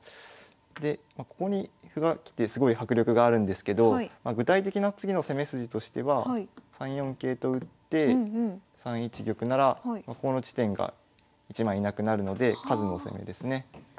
でここに歩が来てすごい迫力があるんですけど具体的な次の攻め筋としては３四桂と打って３一玉ならここの地点が１枚なくなるので数の攻めですね。